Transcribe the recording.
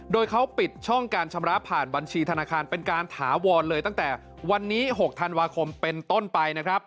โดยเขาปิดช่องการชำระผ่านบัญชีธนาคารเป็นการถาวรเลยตั้งแต่วันนี้๖ธันวาคมเป็นต้นไปนะครับ